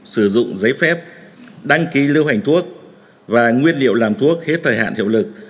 sử dụng giấy phép đăng ký lưu hành thuốc và nguyên liệu làm thuốc hết thời hạn hiệu lực